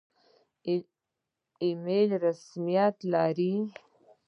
ایمیل رسمیت لري؟